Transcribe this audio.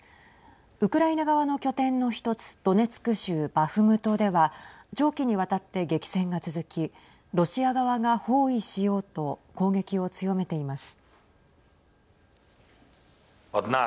ウクライナ側の拠点の１つドネツク州バフムトでは長期にわたって激戦が続きロシア側が包囲しようと攻撃を強めています。